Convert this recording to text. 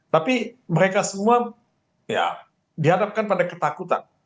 tapi mereka semua ya dihadapkan pada ketakutan